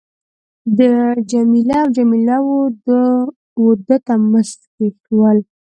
ده جميله او جميله وه ده ته مسکی شول.